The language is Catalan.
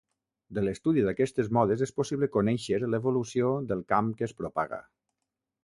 De l'estudi d'aquestes modes és possible conèixer l'evolució del camp que es propaga.